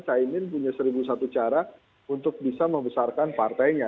caimin punya seribu satu cara untuk bisa membesarkan partainya